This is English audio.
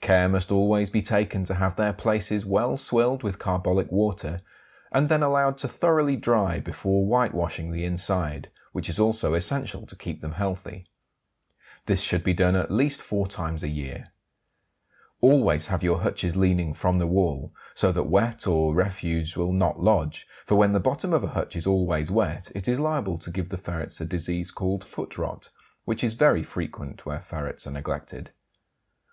Care must always be taken to have their places well swilled with carbolic water, and then allowed to thoroughly dry before whitewashing the inside, which is also essential to keep them healthy. This should be done at least four times a year. Always have your hutches leaning from the wall, so that wet or refuse will not lodge, for when the bottom of a hutch is always wet it is liable to give the ferrets a disease called foot rot, which is very frequent where ferrets are neglected.